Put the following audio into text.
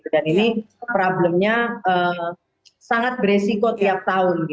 dan ini problemnya sangat beresiko tiap tahun